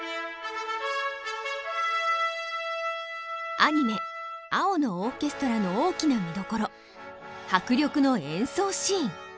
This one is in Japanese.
アニメ「青のオーケストラ」の大きな見どころ迫力の演奏シーン。